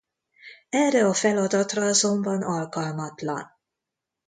Erre a feladatra azonban alkalmatlan.